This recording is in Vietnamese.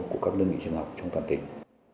của các đơn vị trường học trong toàn tỉnh